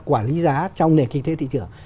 quản lý giá trong nền kinh tế thị trường